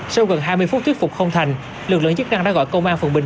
sau gần hai mươi phút thuyết phục không thành lực lượng chức năng đã gọi công an phường bình